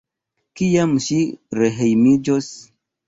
Kiam ŝi rehejmiĝos?